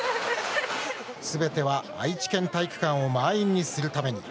すべては愛知県体育館を満員にするために。